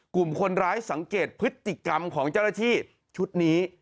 กลุ่มคนร้ายสังเกตพฤติกรรมของเจ้าหน้าที่ชุดนี้